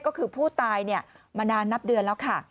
ก็คือผู้ตายมานานนับเดือนแล้วค่ะ